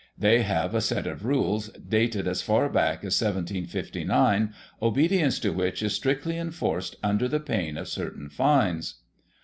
*' They have a set of rules, dated as far back as 1759, obedi ence to which is strictly enforced under pain of certain fines.